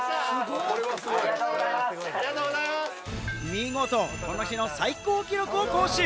見事、この日の最高記録を更新！